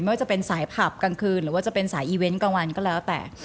ว่าจะเป็นสายผับกลางคืนหรือว่าจะเป็นสายอีเวนต์กลางวันก็แล้วแต่